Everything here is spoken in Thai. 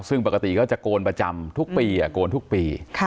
ซึ่งปกติก็จะโกนประจำทุกปีโกนทุกปี